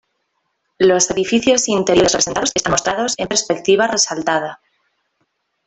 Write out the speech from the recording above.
Los edificios interiores representados están mostrados en perspectiva resaltada.